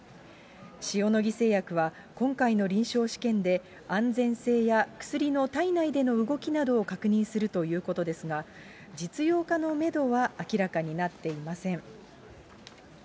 塩野義製薬は今回の臨床試験で、安全性や薬の体内での動きなどを確認するということですが、実用化のメドは明らかになっていません。